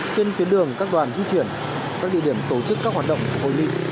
trên tuyến đường các đoàn di chuyển các địa điểm tổ chức các hoạt động của hội nghị